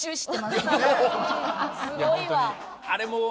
すごいわ！